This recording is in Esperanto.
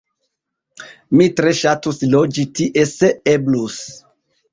Mi tre ŝatus loĝi tie se eblus